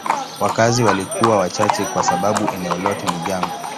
Wakazi walikuwa wachache kwa sababu eneo lote ni jangwa.